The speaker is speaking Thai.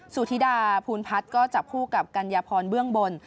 ซูธิดาพูลพัทก็จะผู้กับกัญญภรณ์เบื้องบน